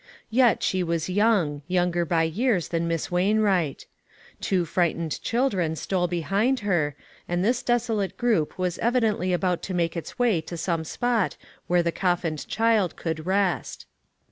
Yet she was young, younger by years than Miss Wainwright. Two frightened children stole behind her, and this desolate group was evidently about to make its way to some spot where the coffined child could rest.